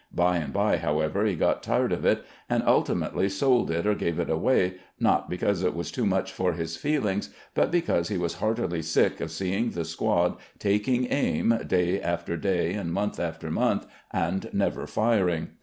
By and by, however, he got tired of it, and ultimately sold it or gave it away, not because it was too much for his feelings, but because he was heartily sick of seeing the squad taking aim day after day and month after month, and never firing.